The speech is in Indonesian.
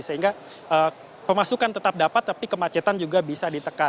sehingga pemasukan tetap dapat tapi kemacetan juga bisa ditekan